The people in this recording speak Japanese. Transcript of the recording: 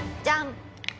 ジャン。